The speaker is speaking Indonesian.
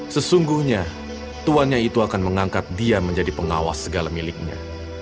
sesungguhnya tuannya itu akan mengangkat dia menjadi pengawas segala miliknya